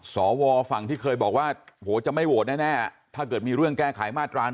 สวฝั่งที่เคยบอกว่าโหจะไม่โหวตแน่ถ้าเกิดมีเรื่องแก้ไขมาตรา๑๑